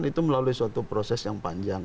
itu melalui suatu proses yang panjang